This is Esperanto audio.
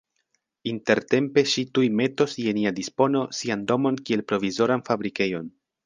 Intertempe ŝi tuj metos je nia dispono sian domon kiel provizoran fabrikejon.